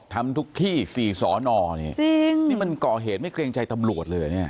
ทำทุกที่สี่สอนอนี่จริงนี่มันเกาะเหตุไม่เครียงใจตำลวดเลยเนี่ย